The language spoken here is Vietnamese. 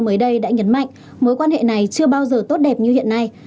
mới đây đã nhấn mạnh mối quan hệ này chưa bao giờ tốt đẹp như hiện nay